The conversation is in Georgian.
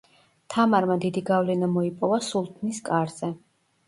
თამარმა დიდი გავლენა მოიპოვა სულთნის კარზე.